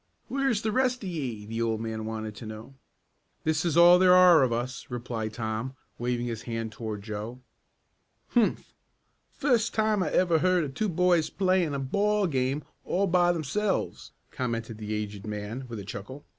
"Where's the rest of ye?" the old man wanted to know. "This is all there are of us," replied Tom, waving his hand toward Joe. "Humph! Fust time I ever heard of two boys playin' a ball game all by themselves," commented the aged man with a chuckle.